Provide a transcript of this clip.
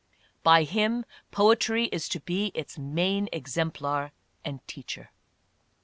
By him, poetry is to be its main exemplar and teacher.